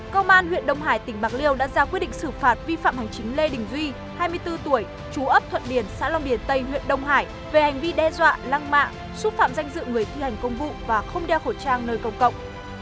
công an huyện đông hải tỉnh bạc liêu đã ra quyết định xử phạt vi phạm hành chính lê đình duy hai mươi bốn tuổi chú ấp thuận điền xã long điền tây huyện đông hải về hành vi đe dọa lăng mạ xúc phạm danh dự người thi hành công vụ và không đeo khẩu trang nơi công cộng